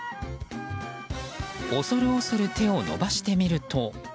恐る恐る手を伸ばしてみると。